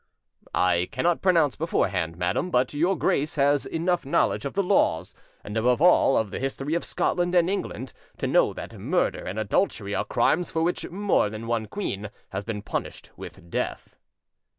"I cannot pronounce beforehand, madam; but your Grace has enough knowledge of the laws, and above all of the history of Scotland and England, to know that murder and adultery are crimes for which more than one queen has been punished with death."